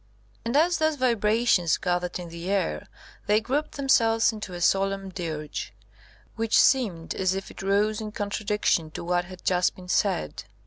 And as those vibrations gathered in the air, they grouped themselves into a solemn dirge, which seemed as if it rose in contradiction to what had just been said.